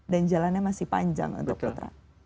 dan jalannya masih panjang untuk putra